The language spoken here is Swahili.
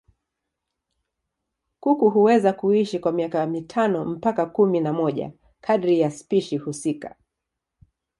Kuku huweza kuishi kwa miaka mitano mpaka kumi na moja kadiri ya spishi husika.